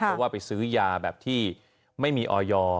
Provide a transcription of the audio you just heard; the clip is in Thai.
เพราะว่าไปซื้อยาแบบที่ไม่มีออยอร์